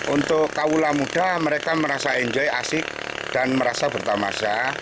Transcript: untuk kaula muda mereka merasa enjoy asik dan merasa bertamasa